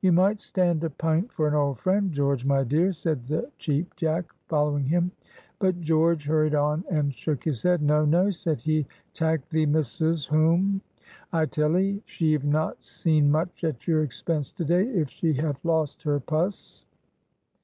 "You might stand a pint for an old friend, George, my dear," said the Cheap Jack, following him. But George hurried on, and shook his head. "No, no," said he; "tak' thee missus whoam, I tell 'ee. She've not seen much at your expense to day, if she have lost her pus."